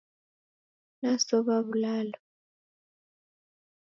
Nasowa wulalo